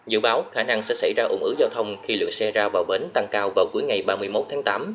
dự báo khả năng sẽ xảy ra ủng ứ giao thông khi lượng xe ra vào bến tăng cao vào cuối ngày ba mươi một tháng tám